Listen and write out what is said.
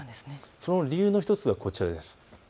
その理由の１つがこちらです。